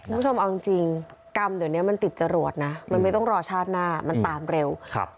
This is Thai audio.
คุณผู้ชมเอาจริงจริงกรรมเดี๋ยวนี้มันติดจรวดนะมันไม่ต้องรอชาติหน้ามันตามเร็วครับ